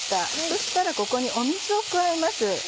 そしたらここに水を加えます。